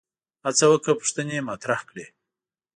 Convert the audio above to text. هڅه وکړه پوښتنې مطرح کړي